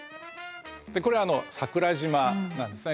これ桜島なんですね。